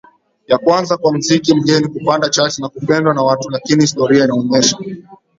ya kwanza kwa muziki mgeni kupanda chati na kupendwa na watu Lakini historia inaonesha